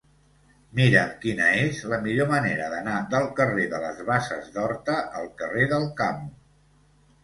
Mira'm quina és la millor manera d'anar del carrer de les Basses d'Horta al carrer d'Alcamo.